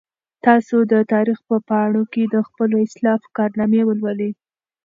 تاسو د تاریخ په پاڼو کې د خپلو اسلافو کارنامې ولولئ.